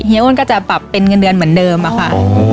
อ้วนก็จะปรับเป็นเงินเดือนเหมือนเดิมอะค่ะ